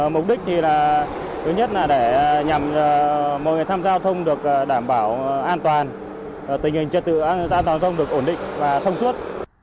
mục đích thì là thứ nhất là để nhằm mọi người tham gia giao thông được đảm bảo an toàn tình hình trật tự an toàn giao thông được ổn định và thông suốt